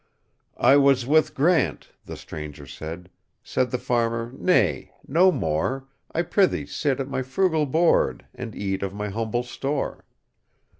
"I was with Grant"—the stranger said; Said the farmer, "Nay, no more,—I prithee sit at my frugal board, And eat of my humble store.